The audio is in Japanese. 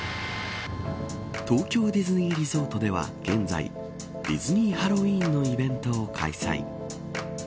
東京ディズニー・リゾートでは現在ディズニー・ハロウィーンのイベントを開催。